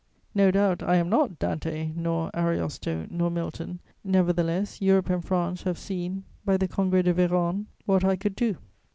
No doubt I am not Dante, nor Ariosto, nor Milton; nevertheless, Europe and France have seen by the Congrès de Vérone what I could do.